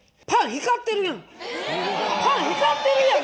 パン光ってるやん！